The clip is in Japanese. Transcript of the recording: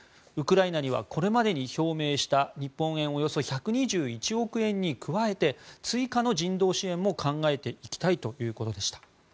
ウクライナにはこれまでに表明した日本円でおよそ１２１億円に加えて追加の人道支援も考えていきたいということでした。